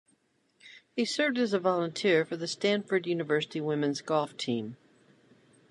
He served as a volunteer for the Stanford University women's golf team.